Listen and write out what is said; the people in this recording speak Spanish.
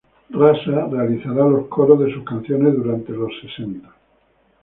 Rasa realizará los coros de sus canciones durante los sesenta.